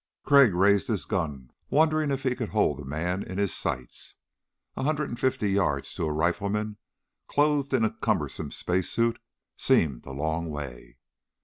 Crag raised his gun, wondering if he could hold the man in his sights. A hundred and fifty yards to a rifleman clothed in a cumbersome space suit seemed a long way.